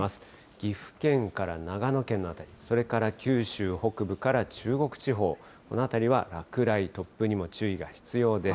岐阜県から長野県の辺り、それから九州北部から中国地方、この辺りは落雷、突風にも注意が必要です。